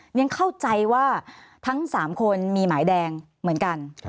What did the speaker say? ยังเข้าใจว่าทั้ง๓คนมีหมายแดงเหมือนกัน